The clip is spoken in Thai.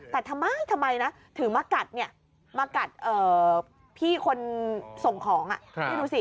แต่ทำไมทำไมนะถึงมากัดเนี่ยมากัดพี่คนส่งของพี่ดูสิ